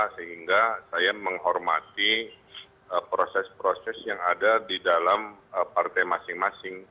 sehingga saya menghormati proses proses yang ada di dalam partai masing masing